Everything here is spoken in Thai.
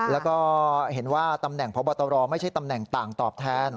แล้วก็เห็นว่าตำแหน่งพบตรไม่ใช่ตำแหน่งต่างตอบแทน